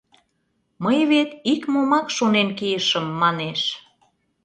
Мый вет ик-момак шонен кийышым, — манеш.